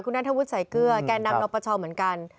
คุณนัทธวุธใส่เกลือแก่นำนบประชาเหมือนกัน